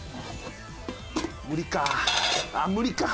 無理か。